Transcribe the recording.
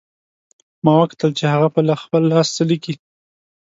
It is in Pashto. ما وکتل چې هغه په خپل لاس څه لیکي